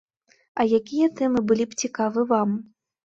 А якія тэмы былі б цікавы вам?